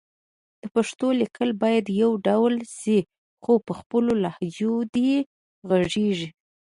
د پښتو لیکل باید يو ډول شي خو په خپلو لهجو دې غږېږي